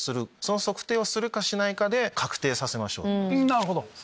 なるほど！